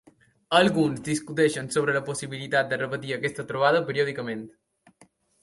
Alguns discuteixen sobre la possibilitat de repetir aquesta trobada periòdicament.